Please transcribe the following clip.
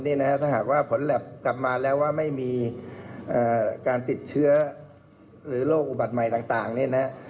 ถ้าหากว่าผลแล็บกลับมาแล้วว่าไม่มีการติดเชื้อหรือโรคอุบัติใหม่ต่างเนี่ยนะ